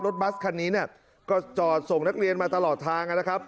บัสคันนี้เนี่ยก็จอดส่งนักเรียนมาตลอดทางนะครับ